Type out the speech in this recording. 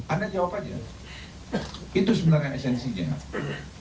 anda jawab aja itu sebenarnya esensinya